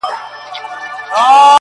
ښه دی په دې ازمايښتونو کي به ځان ووينم